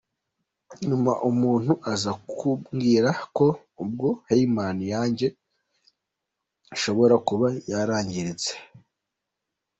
Nyuma umuntu aza kumbwira ko ubwo Hymen yanjye ishobora kuba yarangiritse.